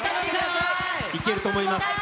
いけると思います。